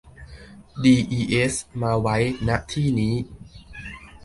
ดีอีเอส มาไว้ ณ ที่นี้